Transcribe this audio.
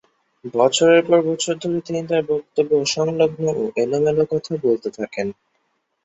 বছরের পর বছর ধরে, তিনি তার বক্তব্যে অসংলগ্ন ও এলোমেলো কথাবার্তা বলতে থাকেন।